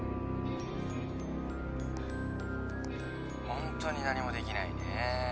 ホントに何もできないね。